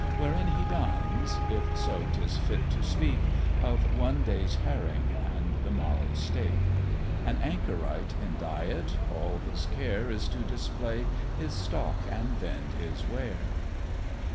Wherein he dines, if so 'tis fit to speak Of one day's herring and the morrow's steak: An anchorite in diet, all his care Is to display his stock and vend his ware.